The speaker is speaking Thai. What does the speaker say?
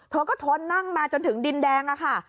เธอก็ทนนั่งมาจนถึงดินแดงอะค่ะ